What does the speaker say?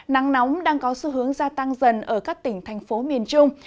nắng nóng đang có xu hướng gia tăng dần ở các tỉnh thành phố miền trung